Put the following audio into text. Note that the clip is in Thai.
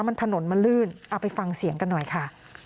มันถนนมันลื่นเอาไปฟังเสียงกันหน่อยค่ะ